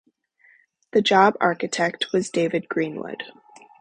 The job architect was David Greenwood.